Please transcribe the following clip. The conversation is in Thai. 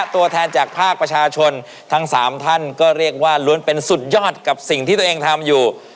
ตัวแทนจากภาคประชาชนทั้ง๓ท่านก็เรียกว่าล้วนเป็นสุดยอดกับสิ่งที่ตัวเองทำอยู่